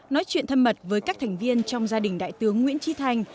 nói chuyện thâm mật với các thành viên trong gia đình đại tướng nguyễn tri thanh